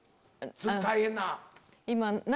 大変な。